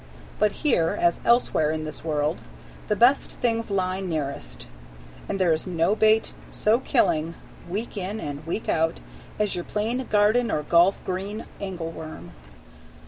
But here, as elsewhere in this world, the best things lie nearest, and there is no bait so killing, week in and week out, as your plain garden or golf green angleworm.